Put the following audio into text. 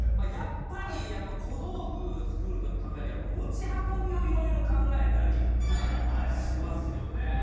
やっぱり小道具作る時考えると持ち運びをいろいろ考えたりしますよね。